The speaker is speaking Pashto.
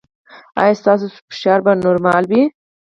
ایا ستاسو فشار به نورمال وي؟